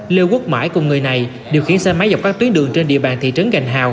lê quốc mãi cùng người này điều khiển xe máy dọc các tuyến đường trên địa bàn thị trấn gành hào